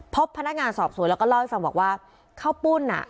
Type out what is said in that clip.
พบพนักงานสอบสวนแล้วก็เล่าให้ฟังบอกว่าข้าวปุ้นอ่ะ